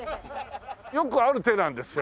よくある手なんですよ。